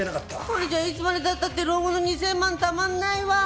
これじゃいつまで経ったって老後の２０００万たまんないわ。